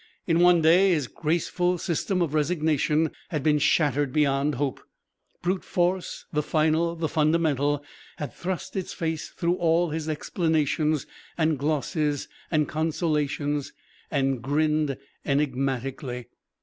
In one day his graceful system of resignation had been shattered beyond hope. Brute force, the final, the fundamental, had thrust its face through all his explanations and glosses and consolations and grinned enigmatically.